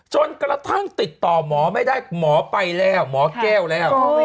จนกระทั่งติดต่อหมอไม่ได้หมอไปแล้วหมอแก้วแล้ว